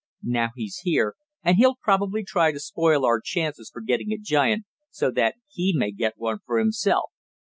Now he's here and he'll probably try to spoil our chances for getting a giant so that he may get one for himself.